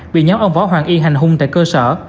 bị nhóm ông võ hoàng y hành hung tại cơ sở